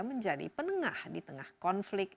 menjadi penengah di tengah konflik